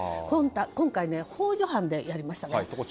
今回、幇助犯でやりましたね。